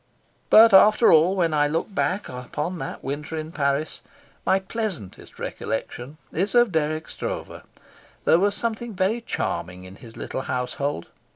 But after all when I look back upon that winter in Paris, my pleasantest recollection is of Dirk Stroeve. There was something very charming in his little household.